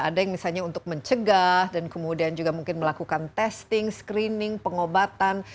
ada yang misalnya untuk mencegah dan kemudian juga mungkin melakukan testing screening pengobatan